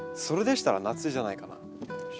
それでしたら夏じゃないかな。